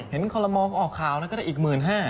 เห็นคนละมองออกข่าวนะก็ได้อีกหมื่นห้า